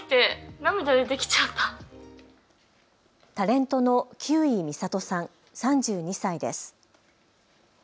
タレントの休井美郷さん、３２歳です。